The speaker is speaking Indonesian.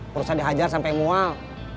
terus saya dihajar sampai mual